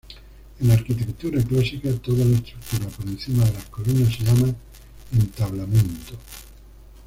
En arquitectura clásica, toda la estructura por encima de las columnas se llama entablamento.